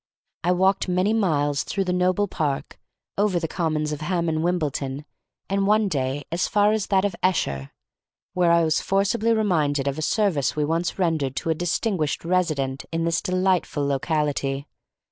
I walked many miles through the noble park, over the commons of Ham and Wimbledon, and one day as far as that of Esher, where I was forcibly reminded of a service we once rendered to a distinguished resident in this delightful locality.